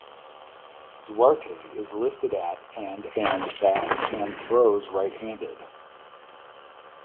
Duarte is listed at and and bats and throws right handed.